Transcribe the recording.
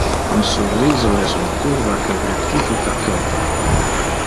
Un surriso es un curva que rectifica toto!